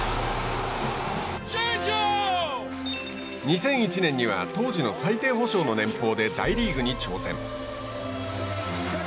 ２００１年には当時の最低保障の年俸で大リーグに挑戦。